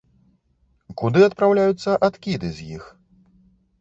Куды адпраўляюцца адкіды з іх?